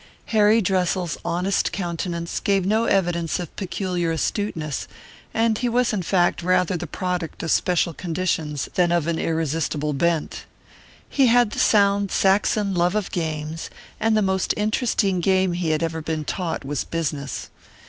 Harry Dressel's honest countenance gave no evidence of peculiar astuteness, and he was in fact rather the product of special conditions than of an irresistible bent. He had the sound Saxon love of games, and the most interesting game he had ever been taught was "business."